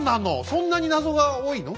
そんなに謎が多いの？